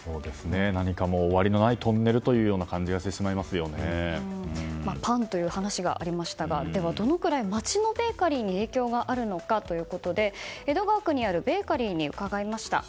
何かもう終わりのないトンネルというような感じがパンという話がありましたがでは、どのくらい街のベーカリーに影響があるのかということで江戸川区にあるベーカリーに伺いました。